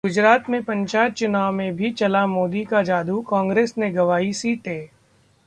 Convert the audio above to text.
गुजरात में पंचायत चुनावों में भी चला मोदी का जादू, कांग्रेस ने गंवाईं सीटें